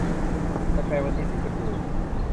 กาแฟวันนี้สีชมพู